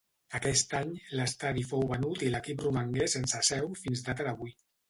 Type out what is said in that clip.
Aquest any, l'estadi fou venut i l'equip romangué sense seu fins data d'avui.